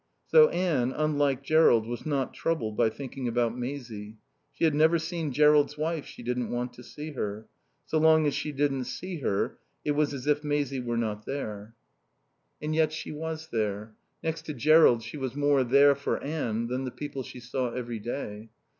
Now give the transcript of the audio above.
So Anne, unlike Jerrold, was not troubled by thinking about Maisie. She had never seen Jerrold's wife; she didn't want to see her. So long as she didn't see her it was as if Maisie were not there. And yet she was there. Next to Jerrold she was more there for Anne than the people she saw every day.